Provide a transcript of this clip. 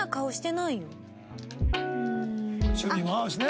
趣味も合うしね。